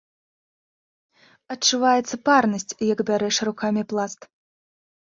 Адчуваецца парнасць, як бярэш рукамі пласт.